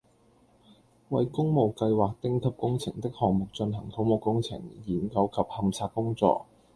為工務計劃丁級工程的項目進行土木工程、研究及勘測工作